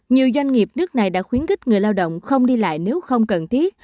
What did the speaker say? nhiều doanh nghiệp nước này đã khuyến khích người lao động không đi lại nếu không cần thiết